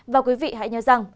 và quý vị hãy nhớ rằng